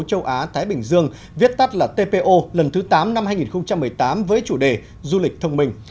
châu á thái bình dương viết tắt là tpo lần thứ tám năm hai nghìn một mươi tám với chủ đề du lịch thông minh